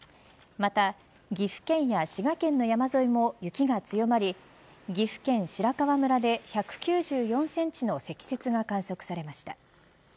また岐阜県や滋賀県の山沿いも雪が強まり岐阜県白川村で１９４センチの積雪が観測されました。